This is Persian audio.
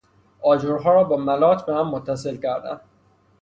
آجرها را با ملاط به هم متصل کردن